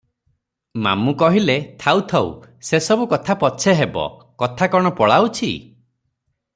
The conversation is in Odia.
"ମାମୁ କହିଲେ, "ଥାଉ ଥାଉ, ସେ ସବୁ କଥା ପଛେ ହେବ, କଥା କଣ ପଳାଉଛି?